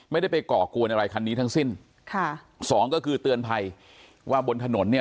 ไม่ได้ไปก่อกวนอะไรคันนี้ทั้งสิ้นค่ะสองก็คือเตือนภัยว่าบนถนนเนี่ย